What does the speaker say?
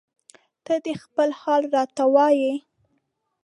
ته دې خپل حال راته وایه